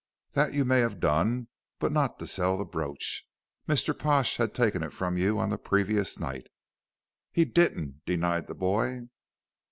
"That you may have done, but not to sell the brooch. Mr. Pash had taken it from you on the previous night." "He didn't," denied the boy.